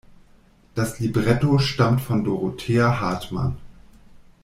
Das Libretto stammt von Dorothea Hartmann.